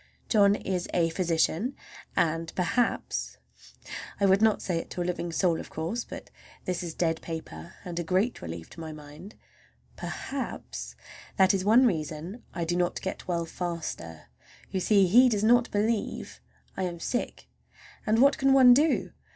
John is a physician, and perhaps—(I would not say it to a living soul, of course, but this is dead paper and a great relief to my mind)—perhaps that is one reason I do not get well faster. You see, he does not believe I am sick! And what can one do?